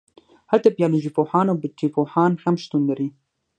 هلته بیالوژی پوهان او بوټي پوهان هم شتون لري